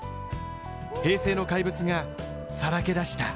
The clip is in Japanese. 平成の怪物が、さらけ出した